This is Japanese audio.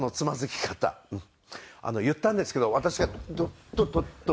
言ったんですけど私がとっととっと。